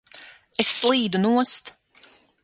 Es slīdu nost!